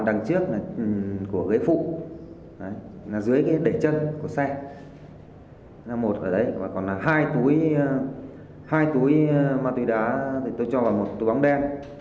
đằng trước là của ghế phụ dưới đẩy chân của xe một ở đấy còn là hai túi ma túy đá tôi cho vào một túi bóng đen